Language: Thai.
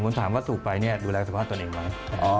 ผมถามว่าสูบไปเนี่ยดูแลสุขภาพตัวเองไหม